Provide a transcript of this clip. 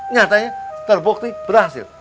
nyatanya terbukti berhasil